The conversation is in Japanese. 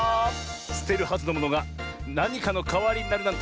すてるはずのものがなにかのかわりになるなんて